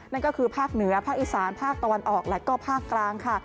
นั่นก็คือภาคเหนือภาคอีสานภาคตะวันออกและก็ภาคกลางค่ะ